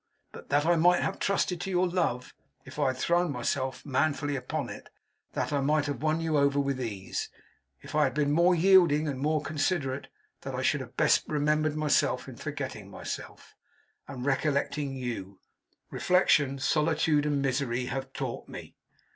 But that I might have trusted to your love, if I had thrown myself manfully upon it; that I might have won you over with ease, if I had been more yielding and more considerate; that I should have best remembered myself in forgetting myself, and recollecting you; reflection, solitude, and misery, have taught me.